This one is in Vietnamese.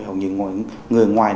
hầu như người ngoài